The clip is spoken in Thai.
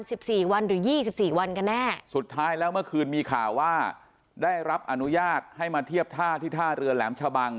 สิบสี่วันหรือยี่สิบสี่วันกันแน่สุดท้ายแล้วเมื่อคืนมีข่าวว่าได้รับอนุญาตให้มาเทียบท่าที่ท่าเรือแหลมชะบัง